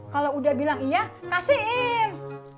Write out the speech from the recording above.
kalau udah bilang iya kasihin